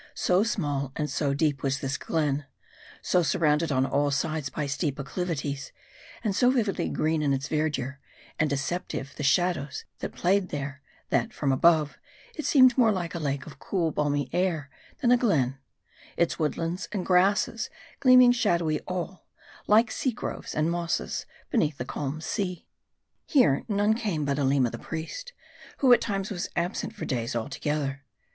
, rg ,: So small and so deep was this glen, so surrounded on all sides by steep acclivities, and so vividly green its verdure, and deceptive the shadows that played there ; that, from above, it seemed more like a lake of cool, balmy air, than a glen : its woodlands and grasses gleaming shadowy all, like sea groves and mosses beneath the calm sea. Here, none came but Aleema the priest, who at times was absent for days together.